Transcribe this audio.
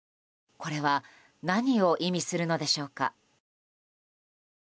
これは何を意味するのでしょうか。